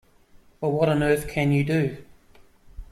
But what on earth can you do?